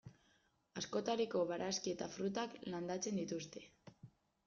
Askotariko barazki eta frutak landatzen dituzte.